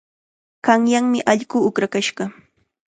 Qanyanmi allqu uqrakashqa.